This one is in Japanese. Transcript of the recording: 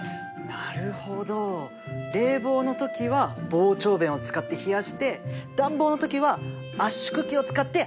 なるほど冷房の時は膨張弁を使って冷やして暖房の時は圧縮機を使ってあっためてるんだね。